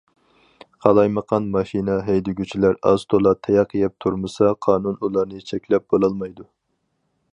قالايمىقان ماشىنا ھەيدىگۈچىلەر ئاز تولا تاياق يەپ تۇرمىسا قانۇن ئۇلارنى چەكلەپ بولالمايدۇ.